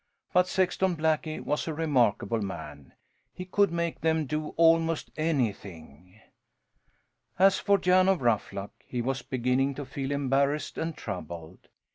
But Sexton Blackie was a remarkable man. He could make them do almost anything. As for Jan of Ruffluck, he was beginning to feel embarrassed and troubled.